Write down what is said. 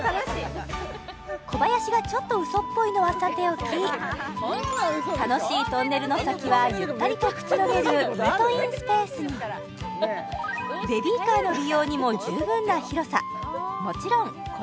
小林がちょっとうそっぽいのはさておき楽しいトンネルの先はゆったりとくつろげるイートインスペースがさらにテーブルは角が滑らか